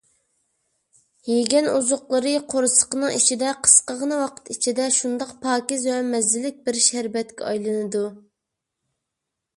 يېگەن ئوزۇقلىرى قورسىقىنىڭ ئىچىدە قىسقىغىنە ۋاقىت ئىچىدە شۇنداق پاكىز ۋە مەززىلىك بىر شەربەتكە ئايلىنىدۇ.